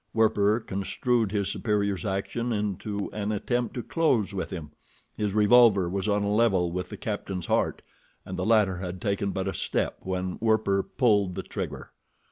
Werper construed his superior's action into an attempt to close with him. His revolver was on a level with the captain's heart, and the latter had taken but a step when Werper pulled the trigger.